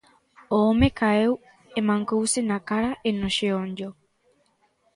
O home caeu e mancouse na cara e no xeonllo.